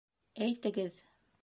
Әйтегеҙ!